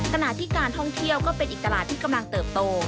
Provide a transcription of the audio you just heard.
ขณะที่การท่องเที่ยวก็เป็นอีกตลาดที่กำลังเติบโต